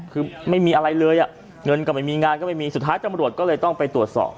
คือไม่มีอะไรเลยอ่ะเงินก็ไม่มีงานก็ไม่มีสุดท้ายจำรวจก็เลยต้องไปตรวจสอบ